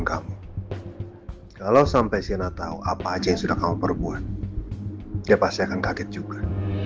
kalau sampai sina tahu apa aja yang sudah kamu perbuat dia pasti akan kaget juga